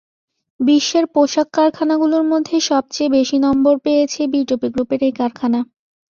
বিশ্বের পোশাক কারখানাগুলোর মধ্যে সবচেয়ে বেশি নম্বর পেয়েছে বিটপি গ্রুপের এই কারখানা।